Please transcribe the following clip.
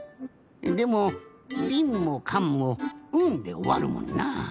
でもびんもかんも「ん」でおわるもんなあ。